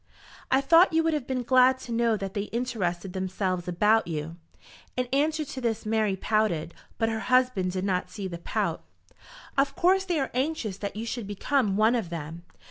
"I thought you would have been glad to know that they interested themselves about you." In answer to this Mary pouted, but her husband did not see the pout. "Of course they are anxious that you should become one of them.